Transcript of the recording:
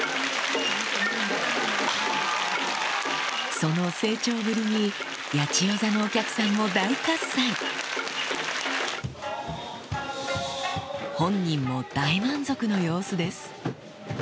その成長ぶりに八千代座のお客さんも大喝采本人も大満足の様子です